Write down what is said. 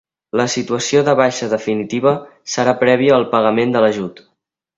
La situació de baixa definitiva serà prèvia al pagament de l'ajut.